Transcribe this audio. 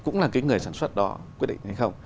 cũng là cái người sản xuất đó quyết định hay không